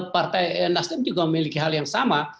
partai nasdem juga memiliki hal yang sama